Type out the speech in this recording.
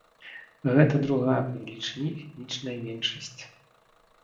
Гэта другая па велічыні этнічная меншасць.